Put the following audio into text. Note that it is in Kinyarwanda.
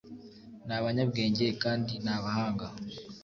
ni abanyabwenge kandi ni abahanga